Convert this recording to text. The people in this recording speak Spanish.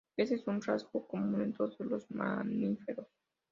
Este es un rasgo común en todos los mamíferos.